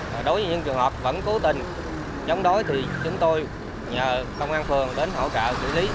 đối với những trường hợp vẫn cố tình chống đối thì chúng tôi nhờ công an phường đến hỗ trợ xử lý